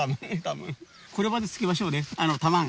これまでつけましょうねタマン。